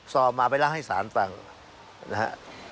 สอบมาไล่ละให้สารฟังนะฮะ